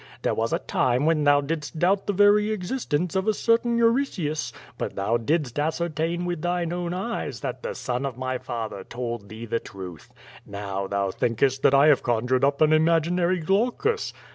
There was a time when thou didst doubt the very existence of a certain Euritius, but thou didst ascertain with thine own eyes that the son of my father told thee the truth. Now, thou thinkest that I have conjured up an imaginary Glaucus.